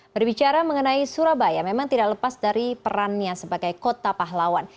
berbicara mengenai surabaya memang tidak lepas dari perannya sebagai kota pahlawan